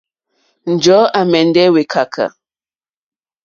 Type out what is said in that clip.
Njɔ̀ɔ́ à mɛ̀ndɛ́ wékàkà.